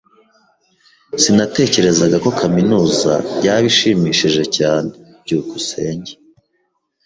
Sinatekerezaga ko kaminuza yaba ishimishije cyane. byukusenge